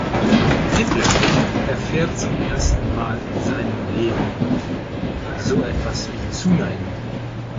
Hitler erfährt zum ersten Mal in seinem Leben so etwas wie Zuneigung.